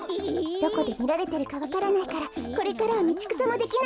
どこでみられてるかわからないからこれからはみちくさもできないわね。